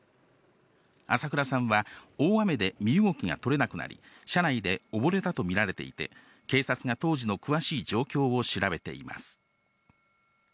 朝倉さんは、大雨で身動きが取れなくなり、車内で溺れたと見られていて、警察が当時の詳しい状況を調べています。